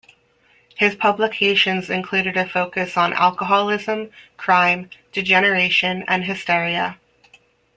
His publications included a focus on alcoholism, crime, degeneration and hysteria.